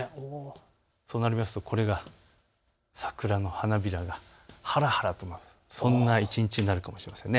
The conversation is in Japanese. となるとこれが桜の花びらがはらはらと舞うそんな一日になるかもしれません。